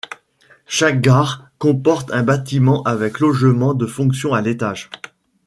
Chaque gare comporte un bâtiment avec logement de fonction à l’étage.